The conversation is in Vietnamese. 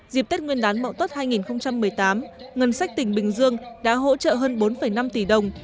dịp tết nguyên đán mậu tuất hai nghìn một mươi tám ngân sách tỉnh bình dương đã hỗ trợ hơn bốn năm tỷ đồng